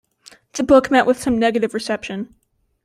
The book met with some negative reception.